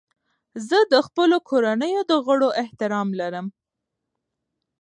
زه د خپلو کورنیو د غړو احترام لرم.